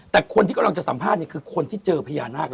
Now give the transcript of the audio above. แต่คนที่กำลังจะสัมภาษณ์คือคนที่เจอพญานาค